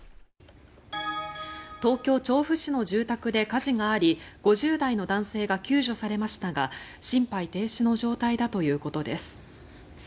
東京・調布市の住宅で火事があり５０代の男性が救助されましたが心肺停止の状態だということです。